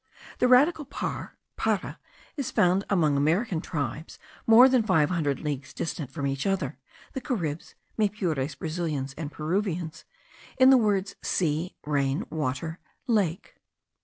The radical par (para) is found among American tribes more than five hundred leagues distant from each other, the Caribs, Maypures, Brazilians, and Peruvians, in the words sea, rain, water, lake.